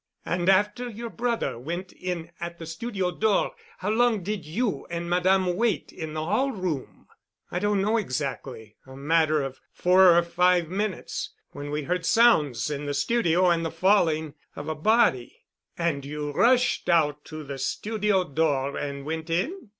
"And after your brother went in at the studio door, how long did you and Madame wait in the hall room?" "I don't know exactly—a matter of four or five minutes, when we heard sounds in the studio and the falling of a body." "And you rushed out to the studio door and went in?"